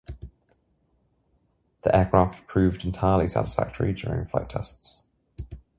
The aircraft proved entirely satisfactory during flight tests.